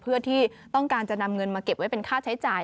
เพื่อที่ต้องการจะนำเงินมาเก็บไว้เป็นค่าใช้จ่าย